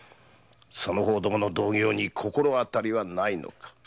その方どもの同業に心当たりはないのか。